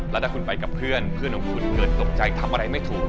แล้วถ้าคุณไปกับเพื่อนเพื่อนของคุณเกิดตกใจทำอะไรไม่ถูก